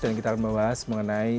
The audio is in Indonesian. dan kita akan membahas mengenai